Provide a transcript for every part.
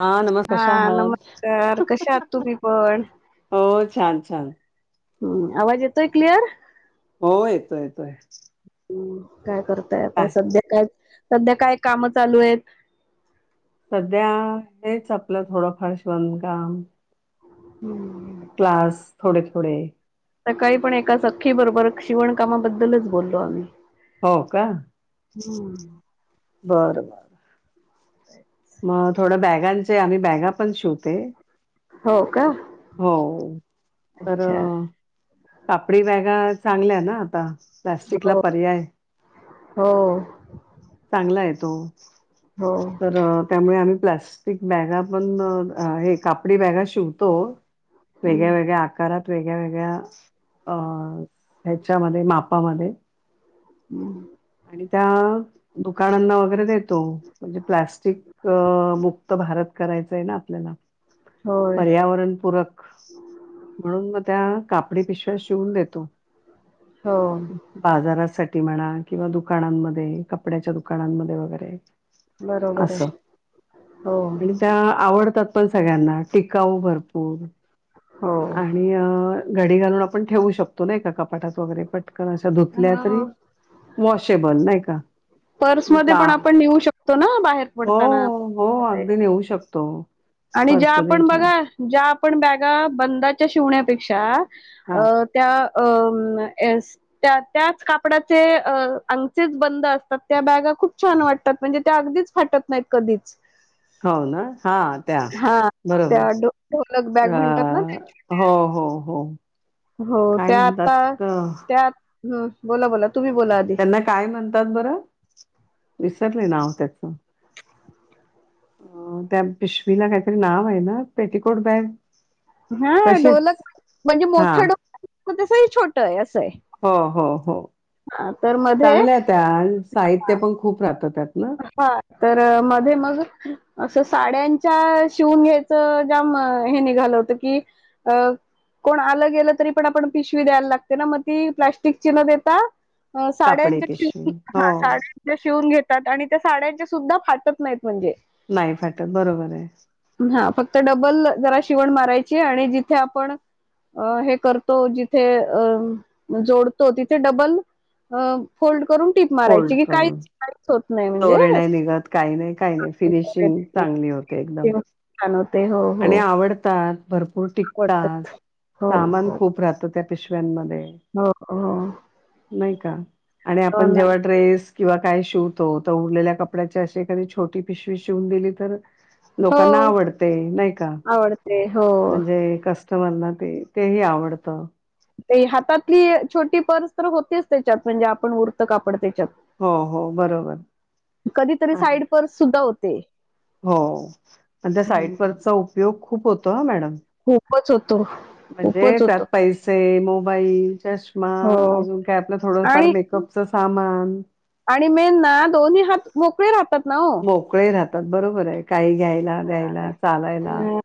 हा नमस्कार कशा हा नमस्कार कशा तुम्ही पण आहात छान छान हम्म आवाज येतोय क्लिअर हो येतोय येतोय काय करताय आता काय? सध्या काय सध्या काय काम चालू आहेत सध्या हेच आपलं थोडंफार शिवणकाम हम्म क्लास थोडे थोडे सकाळी पण एकाच अख्खी बरोबर शिवणकामाबद्दलच बोललो आम्ही. हो का हम्म बरं मग थोडं बॅगांचे आम्ही बॅगा पण शिवते. हो का. हो अच्छा तरं कापडी बॅगा चांगल्या ना आता? प्लास्टिकला हो पर्याय, हो चांगला आहे तो. हो तर त्यामुळे आम्ही प्लास्टिक बॅगा पण हे कापडी बॅगा शिवतो. हम्म वेगळ्या वेगळ्या आकारात वेगळ्या वेगळ्या अं ह्याच्यामध्ये मापामध्ये. हम्म. आणि त्या दुकानांना वगैरे देतो. म्हणजे प्लाटिक मुक्त भारत करायचंय ना आपल्याला होय पर्यावरणपूरक म्हणून मग त्या कापडी पिशव्या शिवून देतो, हो बाजारासाठी म्हणा किंवा दुकानांमध्ये, कपड्याच्या दुकानांमध्ये वगैरे बरोबर आहे असं, हो आणि त्या आवडतात. पण सगळ्यांना टिकाऊ भरपूर हो आणि अं घडी घालून आपण ठेवू शकतो नाहि का कपाटात वगैरे पटकन अशा धुतल्या तरी वॉशेबल नाही का? पर्समध्ये पण का आपण नेऊ शकतो ना बाहेर पडताना? हो, हो अगदी नेऊ शकतो. आणि ज्या पर्समध्ये आपण ठेवून बघा ज्या आपण बॅगा बंदाच्या शिवण्यापेक्षा हां, अं त्या अं [unintelligible] त्या त्याच कापडाचे अंगचेच बंद असतात, त्या बॅगा खूप छा छान वाटतात, म्हणजे त्या अगदिच फाटत नाही कधी. हो ना, हा त्या बरोबर. त्या ढोलक बॅग अ, म्हणतात ना. हो, हो, हो. हो काय त्या आत्ता म्हणतात अ, त्या बोला बोला. तुम्ही बोला आधी त्यांना काय म्हणतात बरं? विसरले नाव त्याचं. अं त्या पिशवीला काहीतरी नाव आहे ना? पेटिकोट बॅग हं तशीच डोलक म्हणजे हां. मोठा डो तसंही छोटं आहे, असं आहे. हो हो हो हा तर मध्ये चांगल्या त्या, साहित्य पण खूप राहत त्यात. ना? हा तर मध्ये मग असं साड्यांच्या शिवून घ्यायचं ज्याम हे निघालं होतं की अ कोण आलं गेलं तरी पण आपण पिशवी द्यायला लागते ना, मग ती प्लॅस्टिकची न देता कापडी साड्यांच्या पिशवी. शिवून हो, हा साड्यांच्या शिवून घेतात आणि त्या साड्यांचे सुद्धा फाटत नाहीत. म्हणजे नाही फाटत बरोबर आहे. तर डबल जरा शिवण मारायची आणि जिथे आपण अ हे करतो जिथे अ जोडतो तिथे डबल- अ फोल्ड करून टीप फोल्ड मारायची की करून. काहीच होत नाही दोरे म्हणजे नाही निघत काही नाही काही नाही फिनिशिंग चांगली होते एकदम. तेव्हा छान होते. हो, हो. आणि आवडतात, भरपूर आवडतं. टिकतात, हो, सामान हो. खूप राहतं. त्या पिशव्यांमध्ये, हो, हो. नाही का? आणि हो आपण ना. जेव्हा ड्रेस किंवा काय शिवतो, तर उरलेल्या कपड्याची अशी एखादी छोटी पिशवी शिवून दिली तर हो, लोकांना आवडते, नाही का? आवडते. हो. म्हणजे कस ना [unintelligible] ते तेही आवडतं. ते हातातली छोटी पर्स तर होतेच त्याच्यात, म्हणजे आपण उरत कापड ते. हो हो बरोबर [unintelligible] कधीतरी आणि- साईड पर्स सुद्धा होत हो, आणि त्या हं. साईट पर्सचा उपयोग खूप होतो हं. मॅडम. खूपच. होतो. म्हणजे खूपच त्यात होतो. पैसे, मोबाईल, चष्मा हो अजून काय? आपलं थोडफार आणि मेकअपच - सामान - आणि मेन ना दोन्ही हात मोकळे - मोकळे राहतात बरोबर आहे. काही घ्यायला- द्यायला चालायला. अ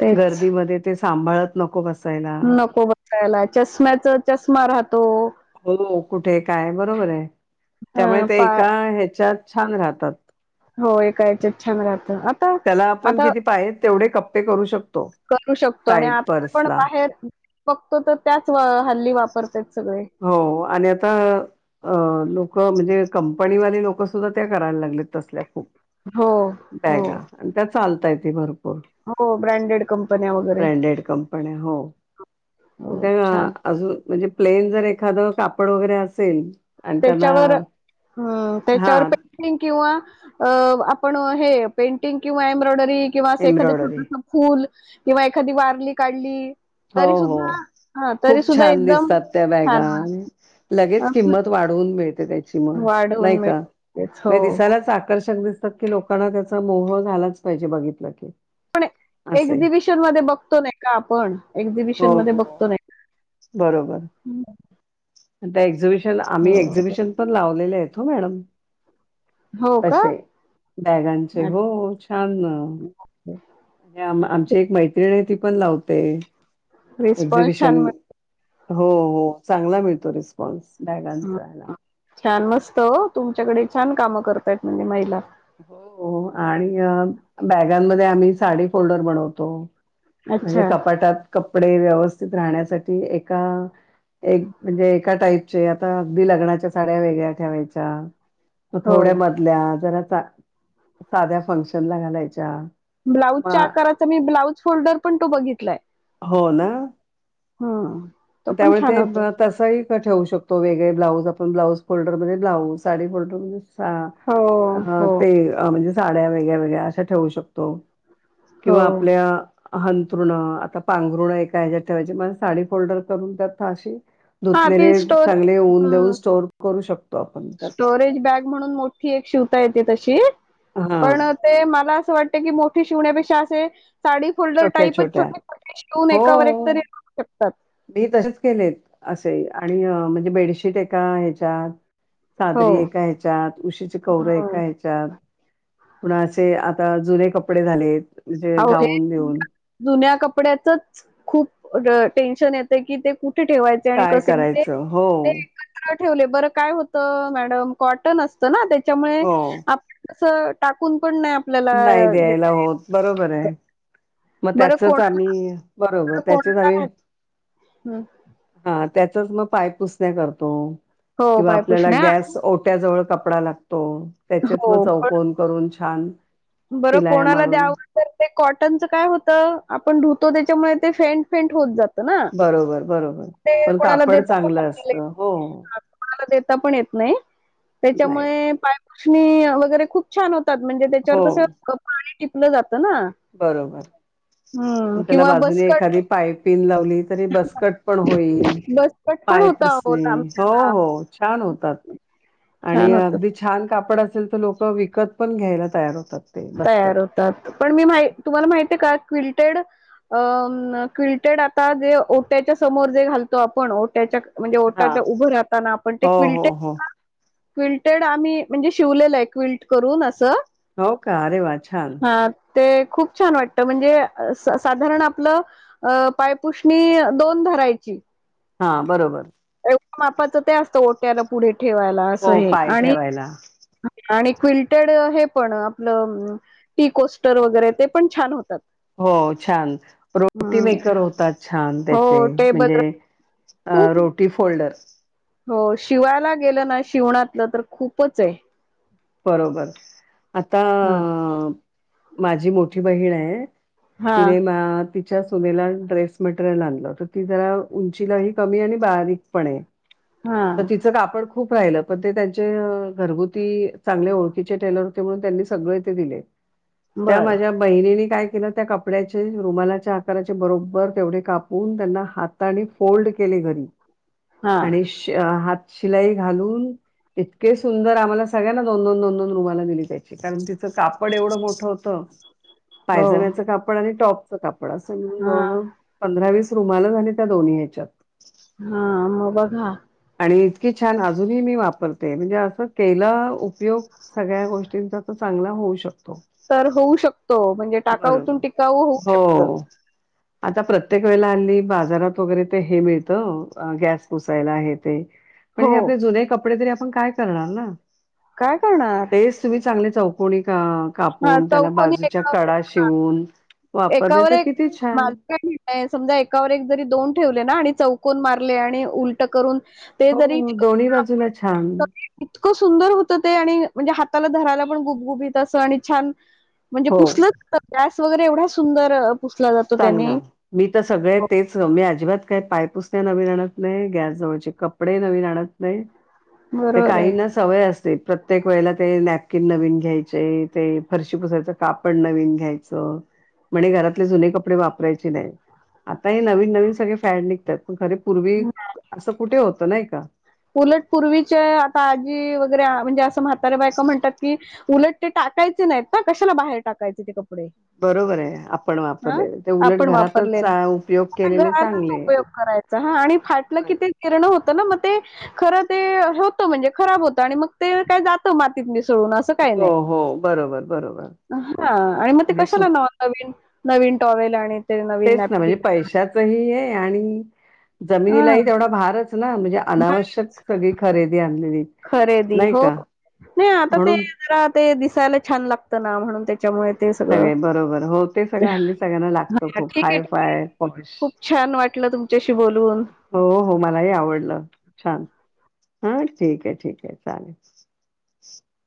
तेच. गर्दीमध्ये ते सांभाळत नको - नको बसायला. चष्म्याचं, चष्मा राहतो - हो कुठे काय? बरोबर आहे. अ त्यामुळे ते पा एका ह्याच्यात छान राहतात. हो एका यांच्यात छान राहतात. त्याला आपण किती पाहीेजेत, तेवढे कप्पे करू शकतो. करू शकतो आणि साईड आपण पण पर्सला बाहेर बघतो तर त्याच हल्ली वापरत आहेत सगळे. हो, आणि आता... अ. लोक - हो म्हणजे कंपनी वाले लोकं सुद्धा ते करायला लागलेत - हो. हो. चालतंय ते. हो, ब्रँडेड कंपन्या वगैरे. ब्रँडेड कंपन्या हो. हो त्या छान अजून म्हणजे - प्लेन जर एखादं, कापड वगैर, असेल - त्याच्यावर. हा त्याच्यावर पेंटिंग किंवा - पेंटिंग किंवा एम्ब्रॉइडरी किंवा असं एखादं एम्ब्रॉयडरी छोटस फुल - किंवा, एखादी वारली काढली... हो तरी हो. सुद्धा हा तरी खूपच सुद्धा छान एकदम दिसतात त्या बॅगा. छान वाटतं. लगेच असं किंमत - वाढवून मिळते त्याची मग. वाढवून मिळतेच हो. म्हणजे दिसायला च आकर्षक - की लोकांना त्याचं [inaudible] बघितल च. पाहिजे असे एक्झिबिशन मध्ये बघतो नाही का? आपण. हो एक्झिबिशन मध्ये हो बघतो नाय बरोबर का त्या एक्झिबिशन, हो आम्ही एक्झिबिशन पण लावले हेत, हो मॅडम. हो का तशे बॅगांचे. हो, अच्छा छान! आमची एक मैत्रीण हे ती पण लावते एक्झिबिशन [unintelligible] हो, हो. चांगला मिळतो रिस्पॉन्स. हं. बॅगांचा हॅला छान! मस्त हो! तुमच्याकडे छान कामं करताय, म्हणजे महिला. हो हो, आणि बॅगांमध्ये आम्ही साडी फोल्डर बनवतो - म्हणजे अच्छा कपाटात कपडे वेवस्तित राहण्यासाठी एका म्हणजे आत्ता ए एका ताईचे अगदी लग्न च्या साड्या वेगळा ठेवायच्या मग थोडे होय मधल्या सा साध्या फंक्शन ला घालायच्या. ब्लाऊजच्या मग आकाराचा मी ब्लाऊज फोल्डर पण, तो बघितलाय. हम्म तो त्या पण छान मद्ये होतो तस ही ठेवू शकतो तो वेगळे ब्लाऊज आपण ब्लाऊज फोल्डर मद्ये ठेवू शकतो साडी फ्लोडर मद्ये हो हो साडी ल अ... म्हणजे साड्या वेगळ्या, वेगळ्या अशा ठेवू, शकतो हो किंवा आपल्या... हांथरून आत्ता पांघरून एकाहेच्यात ठेवायची अणि फोल्डर करून हा धुतलेले, ती स्टोर चांगले ऊन देऊन हम्म स्टोर करू शकतो. आपण त्यात. स्टोरेज बॅग म्हणून मोठी एक शिवता येते तशी, हां, पण ते मला असं वाटत की, मोठी शिवण्यापेक्षा असे - साडी फोल्डर टाईप च छोट्या-छोट्या. हो छोटे का? छोटे शिवून एकावर एक हो, ठेवू शकतात मी तसेच केलेत, असेही. आणि म्हणजे बेडशीट आहे का हेच्यात हो चादरी एका ह्याच्यात, उशीची कव्हरं हो एका ह्याच्यात. कुणाचे आता जुने कपडे झालेत, म्हणजे अहो हे गाऊन बिऊन. जुन्या कपड्याचच खूप टेन्शन येतं की ते कू ठे ठेंवायचे आणि काय कसे म्हणजे करायचं? हो, ते एकत्र ठेवल बर काय होत मॅडम कॉटन असत ना त्याच्यामुळे हो. टाकून पण नाही आपल्याला नाही द्यायला देता होत बरोबर येत आहे मग बरं त्याचच कोणाला आम्ही बरोबर त्याचेच कोणाला आम्ही नाही हं. हा त्याचाच मग पाय पुसण्या करतो हो किंवा आपल्याला पायपुसण्या गॅस ओट्या जवळ कपडा लागतो तो त्याचेच मग चौकन करून छान बर शिलाया कोणाला मारून द्यावं तर ते कॉटनच काय होत आपण धुतो त्याच्यामुळे ते फेंट फेंट होत जात तना बरोबर बरोबर पण कोणाला कापड देतात चांगलं असतं हो कोणाला देता पण येत नाही नाही त्याच्यामुळे पायपुषणी वगैरे खूप छान होतात म्हणजे त्याच्यावर हो कसे पाणी ट बरोबर हम्म त्याला किंवा बाजूने बसकट एखादी पायपिन लावली तरी बसकट पण होईल बसकट पण होता अहो पायपुसणे हो लांबच्याला हो छान होतात आणि छान होत अगदी छान कापड असेल तर लोक विकत पण घ्यायला तयार होतात ते तयार दसकट. होतात पण मी मा तुम्हाला माहिती का क्विलटेड आता जे ओट्याच्या समोर जे घालतो आपण ओट्याच्या म्हणजे हा. ओटाच्या उभं राहताना आपण ते हो हो क्विलटेड हो क्विल्टेड आम्ही म्हणजे शिवलेलं आहे क्विल्ट करून असं हो का अरे वा छान हा ते खूप छान वाटत म्हणजे साधारण आपलं पायपुषणी दोन करायची हा बरोबर मापाचं ते असतं. ओट्याला पुढे ठेवायला, असं हो हे पाय आणि ठेवायला आणि क्विल्टेड हे पण आपलं टी कोस्टर वगैरे, ते पण छान होतात. हो छान रोटी हम्म मेकर होतात छान हो त्याचे टेबल म्हणजे, अ खूप रोटी फोल्डर, हो शिवायला गेलं ना शिवणातलं तर खूपच आहे. बरोबर आता, हा माझी मोठी बहीण आहे. हा तिरेमा त, सुनेला ड्रेस मटेरियल आणल, तर ती जरा उंचीलाही कमी आणि बारीक पण आहे. हा तर तिचं कापड खूप राहिलं पण ते त्यांचे घरगुती, चांगले ओळखीचे टेलर होते. म्हणून त्यांनी सगळे ते दिले त्या बरं माझ्या बहिणीनी, काय केलं त्या कपड्याचे रुमालाच्या आकाराचे बरोबर तेवढे कापून त्यांना हाता आणि फोल्ड, केले घरी, हा आणि हात शिलाई घालून इतके सुंदर आम्हाला सगळ्यांना, दोन दोन रुमाल दिली त्याचीकारण कापड एवढं मोठं होत हो पायजमायच कापड आणि टॉपच कापड, अस मिळून हा जवळ जवळ पंधरा वीस रुमाला झाली त्या दोन्ही ह्याच्यात हा मग बघा, आणि इतकी छान अजूनही मी वापरते म्हणजे, असं केला उपयोग सगळ्या गोष्टींचा तर चांग चांगला होऊ शकतो. तर होऊ शकतो. म्हणजे टाकाऊतून बरोबर. टिकाऊ होऊ शकत. हो. आता प्रत्येक वेळेला हल्ली बाजारात वगैरे ते हे मिळतं गॅस पुसायला आहे. ते पण हो हे आपले जुने कपडे तरी आपण काय करणार ना काय करणार तेच तुम्ही चांगले, चौकणी हा कापून त्याला चौकोनी बाजूच्या कडा एका शिवून, वापरले एकावर तर एक किती छान माझ काय म्हणणं एकावर एक जरी दोन ठेवले ना आणि चौक, कून मारले आणि उलट करून. ते जरी हो दोन्ही बाजूला छान, इतकं सुंदर होतं, ते आणि म्हणजे हाताला धरायला पण गुपगुबत असं आणि छान, म्हणजे हो. पुसल गॅस वगैरे एवढ्या सुंदर. पुसला जातो त्याने चांगला मी तर सगळे हो. तेच मी, अजिबात काय पाय पुस नाही नवीन, नाही गॅस जवळचे कपडे नवीन आणत नाही. ते बरोबर काही आहे ना सवय असते प्रत्येक वेळेला ते नॅ कि नवीन घ्यायचे ते फरशी पुसायचं कापड नवीन घ्यायचं. म्हणे घरातले जुने कपडे वापरायचे नाही, आता हे नवीन नवीन सगळे फॅड निघतात, पण खरे पूर्वी असं कुठे होत नाही का उलट पूर्वीचे आता आजी वगैरे म्हणजे अस, सातारे बायक म्हणतात की उलट ते टाकायचे नाहीत. ना कशाला बाहेर टाकायचे ते कपडे, बरोबर आहे आप, हा आपण वापरलेले उपयोग आ केलेले घरातच चांगले. उपयोग करायचा ह आणि फटलं, बरं. [unintelligible] मग ते खर ते होत म्हणजे खराब होत, आणि मग ते काय जात मातीत, सडून अस काही हो नाही, हो बरोबर बरोबर हा आणि मग ते कशाला नव नवीन, नवीन टॉवेल आणि, ते नवीन तेच ना म्हणजे नॅपकिन पैशाचही ये आणि, हा जमिनीलाही तेवढा भारच ना म्हणजे अनावश्यक सगळी खरेदी आणलेली खरेदी नाही हो का नाही आता ते म्हणून जरा ते दिसायला छान लागत ना म्हणून त्या, सगळे बरोबर हो ते सगळं हल्ली सगळ्यांना लागतो हा खूप ठीक आहे हाय ठीक आहे फाय पॉश, खूप छान वाटलं तुमच्याशी बोलून. हो हो मलाही आवडलं छान, हा ठीक आहे ठीक आहे चालेल.